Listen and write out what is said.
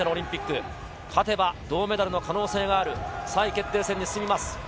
勝てば銅メダルの可能性がある３位決定戦に進みます。